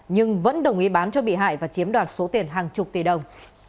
nhưng vẫn đồng ý bán cho bị hại và chiếm đoạt số tiền hàng chục tỷ đồng